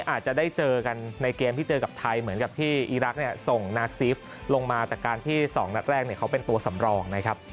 อาจจะได้เจอกันในเกมที่เจอกับไทยเหมือนกับที่อีรักษ์ส่งนาซิฟลงมาจากการที่๒นัดแรกเขาเป็นตัวสำรองนะครับ